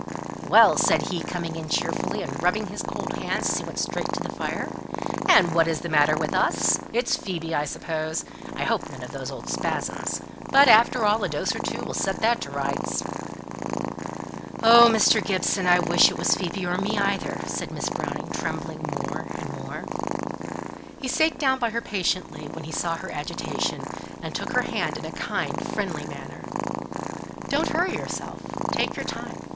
"Well!" said he, coming in cheerfully, and rubbing his cold hands as he went straight to the fire, "and what is the matter with us? It's Phoebe, I suppose? I hope none of those old spasms? But, after all, a dose or two will set that to rights." "Oh! Mr. Gibson, I wish it was Phoebe, or me either!" said Miss Browning, trembling more and more. He sate down by her patiently, when he saw her agitation, and took her hand in a kind, friendly manner. "Don't hurry yourself, take your time.